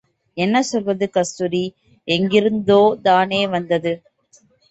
என்ன சொல்வது கஸ்தூரி எங்கிருந்தோதானே வந்தது.